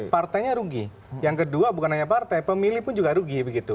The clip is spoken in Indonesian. partainya rugi yang kedua bukan hanya partai pemilih pun juga rugi begitu